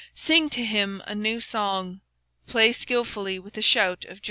Sing unto him a new song; Play skilfully with a loud noise.